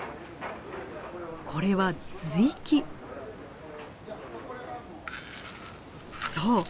これはそう！